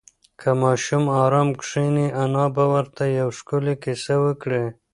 که ماشوم ارام کښېني، انا به ورته یوه ښکلې کیسه وکړي.